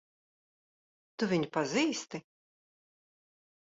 Tu viņu pazīsti?